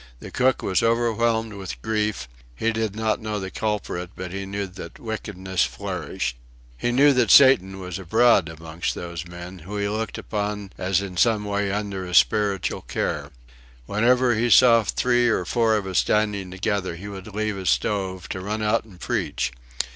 The cook was overwhelmed with grief; he did not know the culprit but he knew that wickedness flourished; he knew that Satan was abroad amongst those men, whom he looked upon as in some way under his spiritual care. Whenever he saw three or four of us standing together he would leave his stove, to run out and preach.